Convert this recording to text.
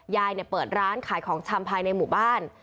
เปิดร้านขายของชำภายในหมู่บ้าน